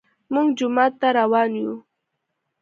موږ جومات ته روان يو